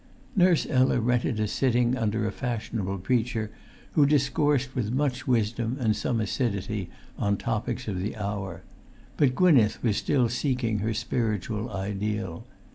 Nurse Ella rented a sitting under a fashionable preacher who discoursed with much wisdom and some acidity on topics of the hour; but Gwynneth was still seeking her spiritual ideal.